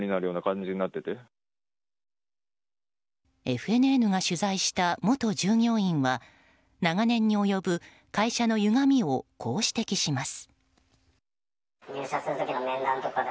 ＦＮＮが取材した元従業員は長年に及ぶ会社のゆがみをこう指摘します。